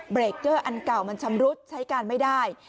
เบรกเกอร์อันเก่ามันชำรุดใช้การไม่ได้